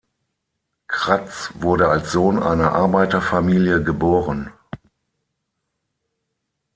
Kratz wurde als Sohn einer Arbeiterfamilie geboren.